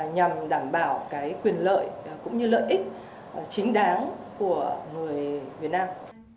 nhằm đảm bảo quyền lợi cũng như lợi ích chính đáng của người việt nam